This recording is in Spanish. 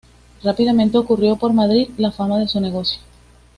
Rápidamente corrió por Madrid la fama de su negocio.